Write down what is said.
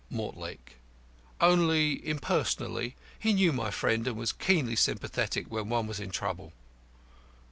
MORTLAKE: Only impersonally. He knew my friend, and was keenly sympathetic when one was in trouble.